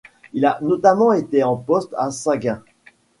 Il a notamment été en poste à Sagaing.